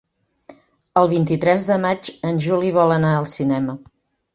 El vint-i-tres de maig en Juli vol anar al cinema.